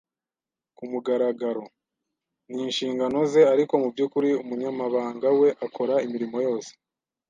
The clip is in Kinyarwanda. Ku mugaragaro ni inshingano ze, ariko mubyukuri umunyamabanga we akora imirimo yose.